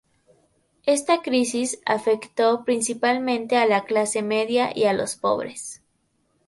Esta crisis, afectó principalmente a la clase media y a los pobres.